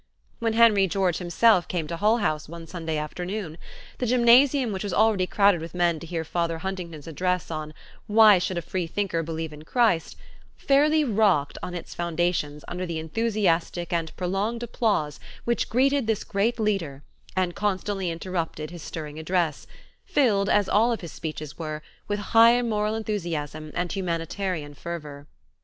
When Henry George himself came to Hull House one Sunday afternoon, the gymnasium which was already crowded with men to hear Father Huntington's address on "Why should a free thinker believe in Christ," fairly rocked on its foundations under the enthusiastic and prolonged applause which greeted this great leader and constantly interrupted his stirring address, filled, as all of his speeches were, with high moral enthusiasm and humanitarian fervor.